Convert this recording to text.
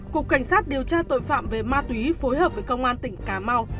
cục cảnh sát điều tra tội phạm về ma túy phối hợp với công an tỉnh cà mau